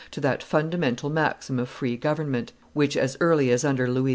to that fundamental maxim of free government, which, as early as under Louis XI.